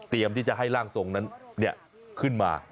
ที่จะให้ร่างทรงนั้นขึ้นมา